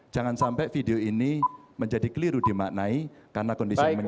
jangan sampai video ini menjadi keliru dimaknai karena kondisi ini